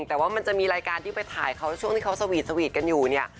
แต่ว่ามันจะมีรายการที่ไปถ่ายเขาช่วงที่เขาสวีทสวีทกันอยู่เนี่ย